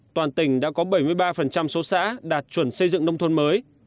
toàn tỉnh đã có bảy mươi ba số xã đạt chuẩn xây dựng nông thôn mới